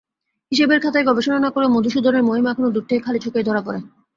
হিসেবের খাতার গবেষণা না করেও মধুসূদনের মহিমা এখন দূর থেকে খালি-চোখেই ধরা পড়ে।